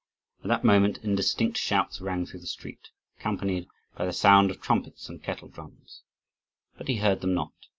At that moment indistinct shouts rang through the street, accompanied by the sound of trumpets and kettledrums; but he heard them not.